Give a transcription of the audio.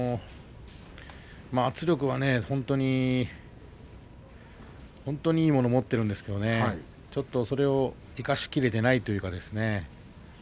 圧力は本当にいいものを持っているんですけれどちょっとそれを生かし切れていないというか。